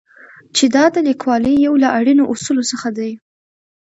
چې دا د لیکوالۍ یو له اړینو اصولو څخه دی.